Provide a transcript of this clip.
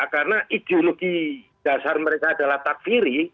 karena ideologi dasar mereka adalah takfiri